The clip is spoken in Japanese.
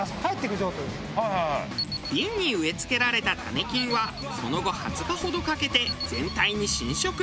瓶に植え付けられた種菌はその後２０日ほどかけて全体に侵食。